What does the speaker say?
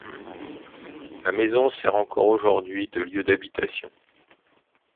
La maison sert encore aujourd'hui de lieu d'habitation.